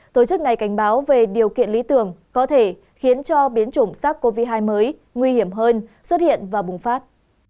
tổ chức này cảnh báo về điều kiện lý tưởng có thể khiến cho biến chủng sars cov hai mới nguy hiểm hơn xuất hiện và bùng phát